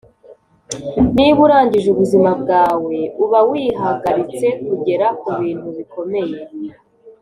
niba urangije ubuzima bwawe, uba wihagaritse kugera kubintu bikomeye.